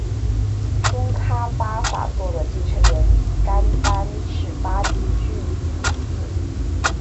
宗喀巴法座的继承人甘丹赤巴即居于此寺。